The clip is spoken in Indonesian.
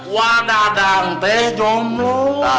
wah dadang teh jomblo